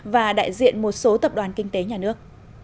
và đại diện một số tập đoàn kinh tế nhà nước